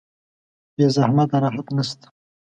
بې زحمته راحت نشته.